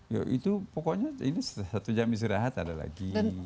ya itu pokoknya ini satu jam istirahat ada lagi